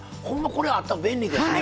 これあったら便利ですね。